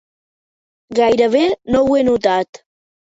Gairebé no ho he notat.